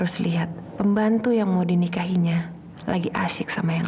selamat selamat menikmatigu di sini